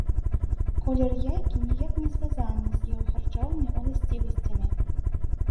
Колер яйкі ніяк не звязаны з яго харчовымі ўласцівасцямі.